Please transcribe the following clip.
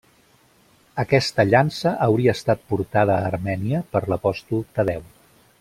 Aquesta llança hauria estat portada a Armènia per l'apòstol Tadeu.